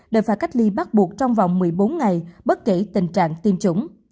đều phải cách ly bắt buộc trong vòng một mươi bốn ngày bất kể tình trạng tiêm chủng